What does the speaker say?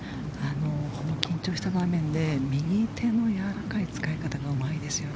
この緊張した場面で右手のやわらかい使い方がうまいですよね。